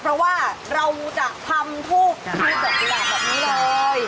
เพราะว่าเราจะทำทุกที่เฉยแบบนี้เลย